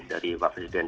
dari wak presiden